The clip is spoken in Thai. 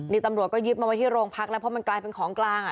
นี่ตำรวจก็ยึดมาไว้ที่โรงพักแล้วเพราะมันกลายเป็นของกลางอ่ะ